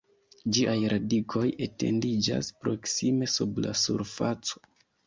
Ĝiaj radikoj etendiĝas proksime sub la surfaco.